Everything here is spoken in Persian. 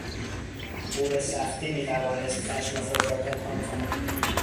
او به سختی میتوانست خشم خود را پنهان کند.